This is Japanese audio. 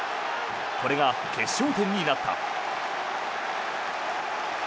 これが決勝点になった。